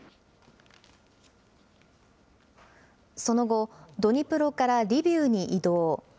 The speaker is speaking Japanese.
その後、ドニプロからリビウに移動。